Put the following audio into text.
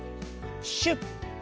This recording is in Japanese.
シュッ！